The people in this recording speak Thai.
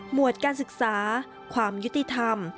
หมวดสรรค์ความยุติธรรม